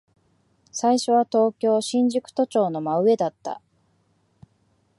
最初は東京、新宿都庁の真上だった。